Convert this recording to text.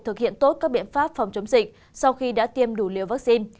thực hiện tốt các biện pháp phòng chống dịch sau khi đã tiêm đủ liều vaccine